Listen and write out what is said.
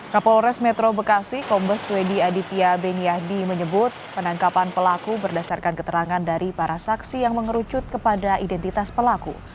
kapolres metro bekasi kombes teddy aditya beniadi menyebut penangkapan pelaku berdasarkan keterangan dari para saksi yang mengerucut kepada identitas pelaku